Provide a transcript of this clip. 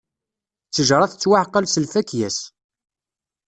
Ttejṛa tettwaɛqal s lfakya-s.